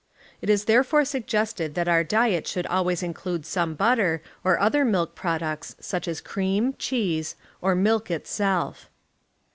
It is therefore suggested that our diet should always include some butter or other milk products sudi as cream, cheese or milk itself.